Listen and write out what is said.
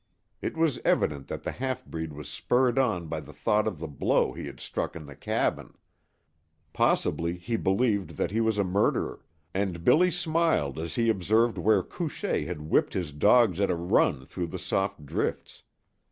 It was evident that the half breed was spurred on by the thought of the blow he had struck in the cabin. Possibly he believed that he was a murderer, and Billy smiled as he observed where Couchée had whipped his dogs at a run through the soft drifts.